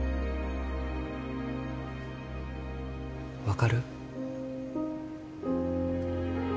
分かる？